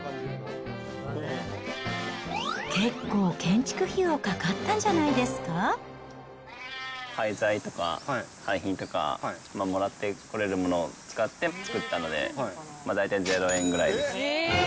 結構、建築費用、廃材とか廃品とか、もらってこれるものを使って作ったので、大体０円ぐらいです。